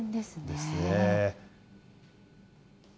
ですね。